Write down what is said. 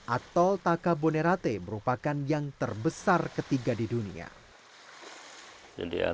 atol takabonerate merupakan yang terbesar ketiga di dunia